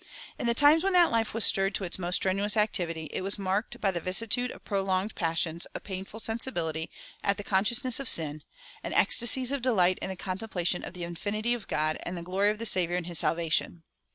In the times when that life was stirred to its most strenuous activity, it was marked by the vicissitude of prolonged passions of painful sensibility at the consciousness of sin, and ecstasies of delight in the contemplation of the infinity of God and the glory of the Saviour and his salvation.